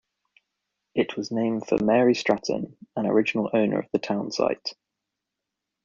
It was named for Mary Stratton, an original owner of the town site.